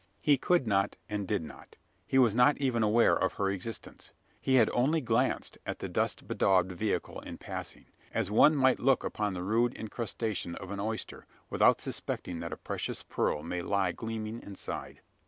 He could not, and did not. He was not even aware of her existence. He had only glanced at the dust bedaubed vehicle in passing as one might look upon the rude incrustation of an oyster, without suspecting that a precious pearl may lie gleaming inside.